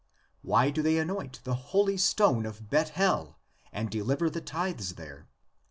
Why do they anoint the holy stone of Bethel and deliver the tithes there?